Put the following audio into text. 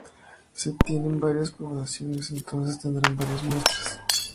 Si se tienen varias poblaciones, entonces se tendrán varias muestras.